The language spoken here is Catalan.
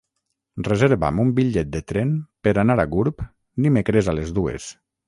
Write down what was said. Reserva'm un bitllet de tren per anar a Gurb dimecres a les dues.